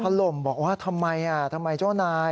ถล่มบอกว่าทำไมทำไมเจ้านาย